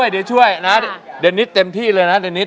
เด้อช่วยเดนิสเต็มที่เลยนะ